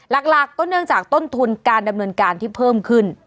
หลักก็เนื่องจากต้นทุนการดำเนินการที่เพิ่มขึ้น